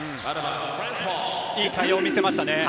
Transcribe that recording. いい対応を見せましたね。